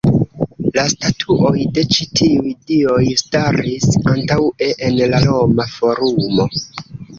La statuoj de ĉi tiuj dioj staris antaŭe en la Roma Forumo.